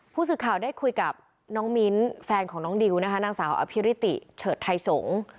ผู้สื่อข่าวได้คุยกับน้องมิ้นแฟนของน้องดิวนะคะนางสาวอภิริติเฉิดไทยสงศ์